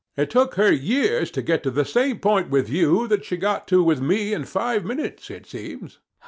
It took her years to get to the same point with you that she got to with me in five minutes, it seems.